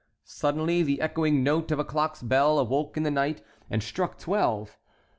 Suddenly the echoing note of a clock's bell awoke in the night and struck twelve.